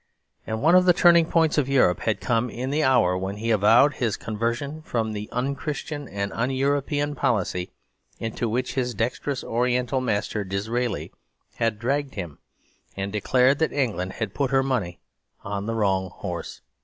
And one of the turning points of Europe had come in the hour when he avowed his conversion from the un Christian and un European policy into which his dexterous Oriental master, Disraeli, had dragged him; and declared that England had "put her money on the wrong horse."